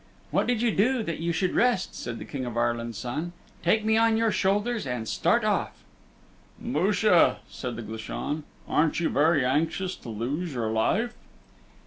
"What did you do that you should rest?" said the King of Ireland's Son. "Take me on your shoulders and start off." "Musha," said the Glashan, "aren't you very anxious to lose your life?"